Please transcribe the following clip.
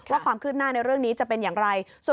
ว่าความคืบหน้าในเรื่องนี้จะเป็นอย่างไร